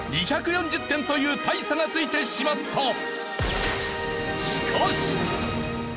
２４０点という大差がついてしまった！